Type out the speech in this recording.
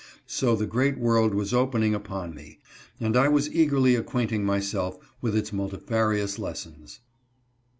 So the great world was open ing upon me, and I was eagerly acquainting myself with its multifarious lessons.